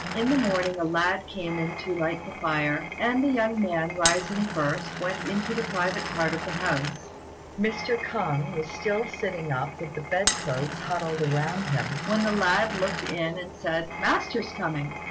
In the morning a lad came in to light the fire; and the young man, rising first, went into the private part of the house. Mr. K'ung was sitting up with the bed clothes still huddled round him, when the lad looked in and said, "Master's coming!"